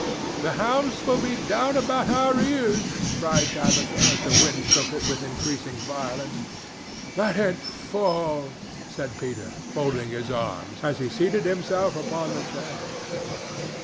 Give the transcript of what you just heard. "The house will be down about our ears," cried Tabitha as the wind shook it with increasing violence. "Let it fall," said Peter, folding his arms, as he seated himself upon the chest.